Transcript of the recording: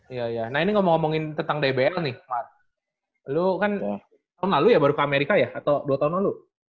iya iya nah ini ngomong ngomongin tentang dbl nih lu kan tahun lalu ya baru ke amerika ya atau dua tahun lalu